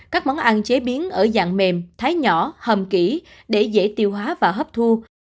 các món ăn chế biến ở dạng mềm thái nhỏ hầm kỹ để dễ tiêu hóa và hấp thu